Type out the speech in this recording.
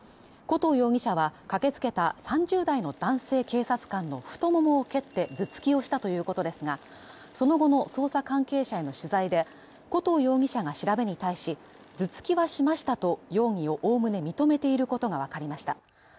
古東容疑者は、駆けつけた３０代の男性警察官の太ももを蹴って頭突きをしたということですが、その後の捜査関係者への取材で古東容疑者が調べに対し頭突きはしましたと容疑をおおむね認めていることが分かりました。